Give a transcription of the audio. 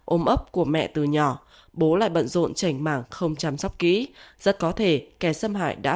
ôm ấp của mẹ từ nhỏ bố lại bận rộn chảy màng không chăm sóc kỹ rất có thể kẻ xâm hại đã